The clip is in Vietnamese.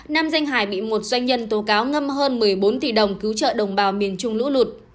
nam danh hải bị một doanh nhân tố cáo ngâm hơn một mươi bốn tỷ đồng cứu trợ đồng bào miền trung lũ lụt